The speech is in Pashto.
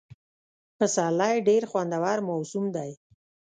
پسرلی ډېر خوندور موسم دی.